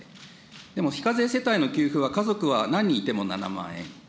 でも非課税世帯の給付は、家族は何人いても７万円。